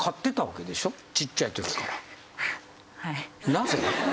なぜ？